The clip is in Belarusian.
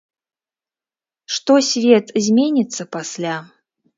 Што свет зменіцца пасля?